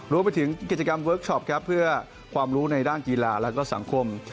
รวมไปถึงกิจกรรมเวิร์คชอปครับเพื่อความรู้ในด้านกีฬาและก็สังคม